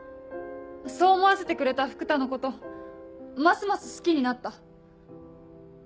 そう思わせてくれた福多のことますます好きになった。